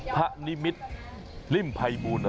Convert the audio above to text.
พระนิมิตรริมไพบูน้ะ